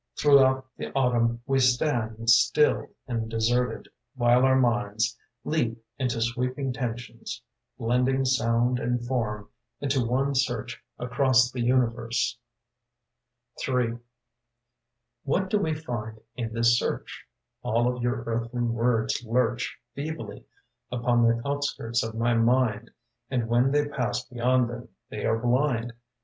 Throughout the Autumn we stand Still and deserted, while our minds Leap into sweeping tensions Blending sound and form Into one search across the universe. HI \y HAT do we find in this search? All of your earthly words lurch Feebly upon the outskirts of my mind, And when they pass beyond them, they are blind.